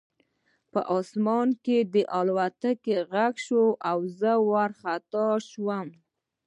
په آسمان کې د الوتکو غږ شو او زه وارخطا شوم